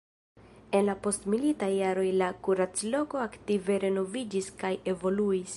En la postmilitaj jaroj la kurac-loko aktive renoviĝis kaj evoluis.